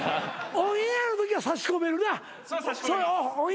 オンエアのときは差し込める。